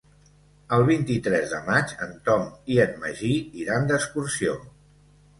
El vint-i-tres de maig en Tom i en Magí iran d'excursió.